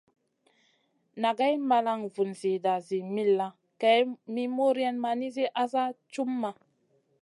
Nagay malan vun zida zi millàh, kay mi muriayn ma nizi asa cumʼma.